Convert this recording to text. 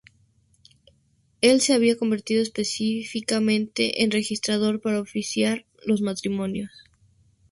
Él se había convertido específicamente en registrador para oficiar los matrimonios.